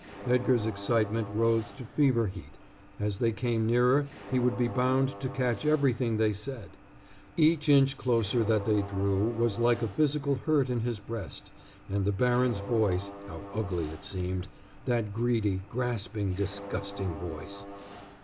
Edgar's excitement rose to fever heat. As they came nearer he would be bound to catch everything they said. Each inch closer that they drew was like a physical hurt in his breast, and the baron's voice, how ugly it seemed, that greedy, grasping disgusting voice.